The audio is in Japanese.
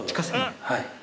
はい。